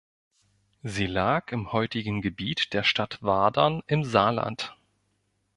Sie lag im heutigen Gebiet der Stadt Wadern im Saarland.